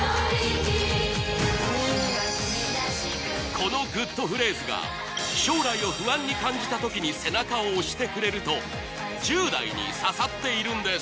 このグッとフレーズが将来を不安に感じた時に背中を押してくれると１０代に刺さっているんです